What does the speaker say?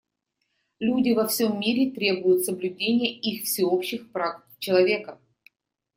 Люди во всем мире требуют соблюдения их всеобщих прав человека.